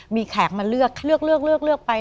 มีแขกมาเลือกเลือกไป